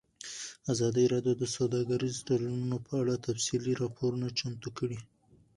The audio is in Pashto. ازادي راډیو د سوداګریز تړونونه په اړه تفصیلي راپور چمتو کړی.